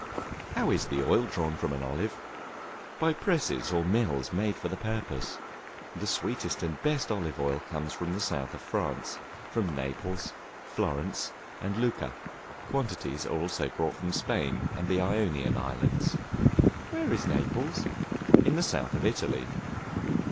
How is the Oil drawn from the Olive? By presses or mills made for the purpose. The sweetest and best olive oil comes from the South of France, from Naples, Florence, and Lucca; quantities are also brought from Spain and the Ionian Islands. Where is Naples? In the South of Italy.